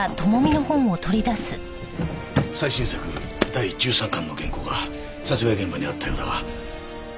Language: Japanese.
最新作第１３巻の原稿が殺害現場にあったようだが。